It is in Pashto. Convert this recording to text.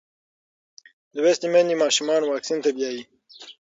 لوستې میندې ماشومان واکسین ته بیايي.